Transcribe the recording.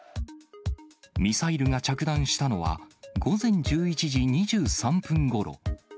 ミサイルが着弾したのは午前１１時２３分ごろ。